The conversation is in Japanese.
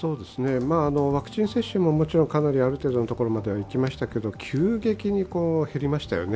ワクチン接種ももちろん、かなりある程度のところまでいきましたけど急激に減りましたよね。